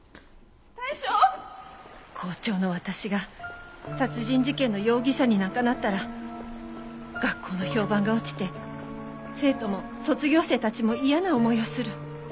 校長の私が殺人事件の容疑者になんかなったら学校の評判が落ちて生徒も卒業生たちも嫌な思いをする。